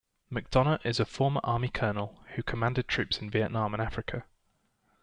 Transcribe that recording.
McDonough is a former Army colonel who commanded troops in Vietnam and Africa.